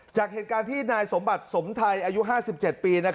จากเหตุการณ์ที่นายสมบัติสมไทยอายุ๕๗ปี